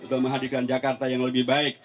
untuk menghadirkan jakarta yang lebih baik